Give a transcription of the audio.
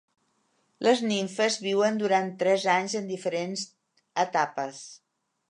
Les nimfes viuen durant tres anys en diferents etapes.